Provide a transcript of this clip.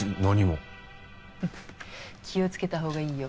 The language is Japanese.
フッ気をつけたほうがいいよ。